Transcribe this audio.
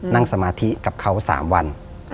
นั่งสมาธิกับเขา๓วัน